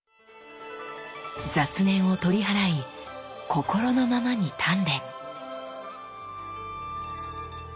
雑念を取り払い心のままに鍛錬！